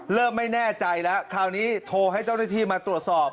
เริ่มไม่แน่ใจแล้วคราวนี้โทรให้เจ้าหน้าที่มาตรวจสอบ